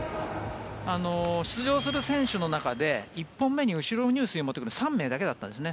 出場する選手の中で１本目に後ろ入水を持ってくるのは３名だけだったんですね。